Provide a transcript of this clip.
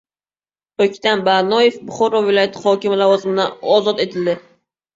O‘ktam Barnoyev Buxoro viloyati hokimi lavozimidan ozod etildi